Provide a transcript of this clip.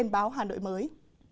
báo hà nội mới